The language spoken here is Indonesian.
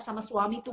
sama suami tuh